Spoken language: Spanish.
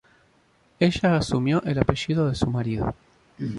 Ella asumió el apellido de su marido.